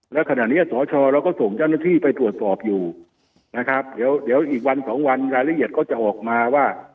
แล้วขณะนี้สชเราก็ส่งเจ้าหน้าที่ไปตรวจสอบอยู่นะครับเดี๋ยวอีกวันสองวันรายละเอียดก็จะออกมาว่า